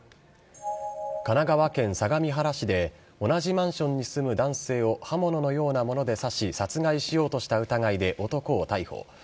神奈川県相模原市で、同じマンションに住む男性を刃物のようなもので刺し、殺害しようとした疑いで男を逮捕。